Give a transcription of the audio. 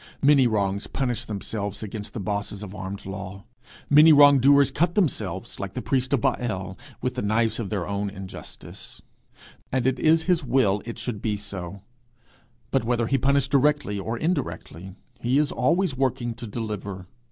Many wrongs punish themselves against the bosses of armed law; many wrong doers cut themselves, like the priests of Baal, with the knives of their own injustice; and it is his will it should be so; but, whether he punish directly or indirectly, he is always working to deliver.